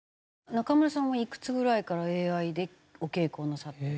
中村さんはいくつぐらいからＡＩでお稽古をなさって。